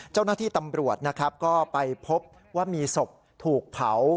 เจ้าหน้าที่ตำรวจนะครับก็ไปพบว่ามีศพถูกเผา